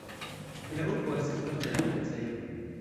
La urbo estas prospera komercejo.